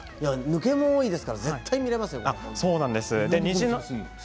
抜けも多いから絶対に見られますよ。